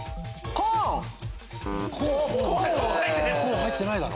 コーン入ってないだろ。